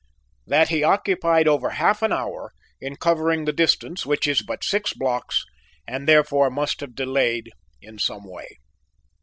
That he occupied over half an hour in covering the distance, which is but six blocks, and therefore must have delayed in some way.